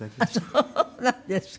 あっそうなんですか。